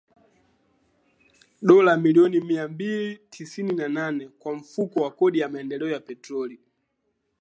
dola milioni mia mbili tisini na nane kwa Mfuko wa Kodi ya Maendeleo ya Petroli